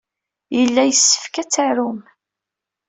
Yella yessefk ad t-tarum.